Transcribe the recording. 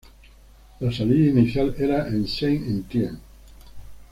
La salida inicial era en Saint-Étienne.